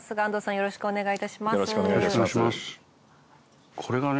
よろしくお願いします。